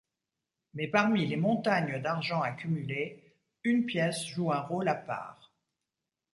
Mais parmi les montagnes d'argent accumulées, une pièce joue un rôle à part.